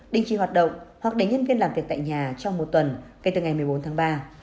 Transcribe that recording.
đình chỉ hoạt động hoặc để nhân viên làm việc tại nhà trong một tuần kể từ ngày một mươi bốn tháng ba